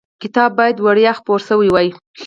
کتاب باید وړیا خپور شوی وای.